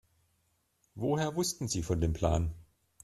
Woher wussten Sie von dem Plan?